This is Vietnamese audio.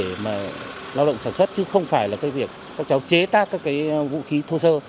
các cháu đấy là để mà lao động sản xuất chứ không phải là cái việc các cháu chế tác các cái vũ khí thô sơ